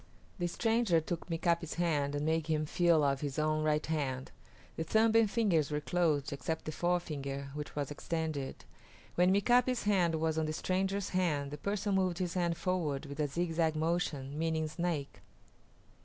The stranger took Mika´pi's hand and made him feel of his own right hand. The thumb and fingers were closed except the forefinger, which was extended. When Mika´pi's hand was on the stranger's hand the person moved his hand forward with a zigzag motion, meaning Snake.